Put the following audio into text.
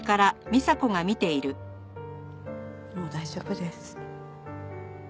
もう大丈夫です。